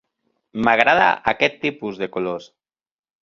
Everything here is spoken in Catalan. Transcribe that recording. M'agrada aquest tipus de colors.